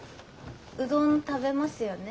うどん食べますよね？